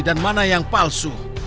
dan mana yang palsu